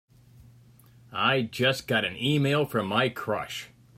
I just got an e-mail from my crush!